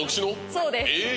そうですえ！